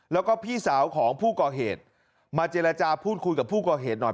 แล้วก็พี่สาวของผู้ก่อเหตุมาเจรจาพูดคุยกับผู้ก่อเหตุหน่อย